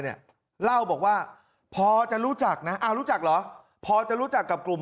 เนี่ยเล่าบอกว่าพอจะรู้จักนะอ้าวรู้จักเหรอพอจะรู้จักกับกลุ่ม